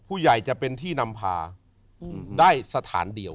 ผู้ใหญ่จะเป็นที่นำพาได้สถานเดียว